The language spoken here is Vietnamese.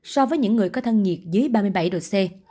so với những người có thân nhiệt dưới ba mươi bảy độ c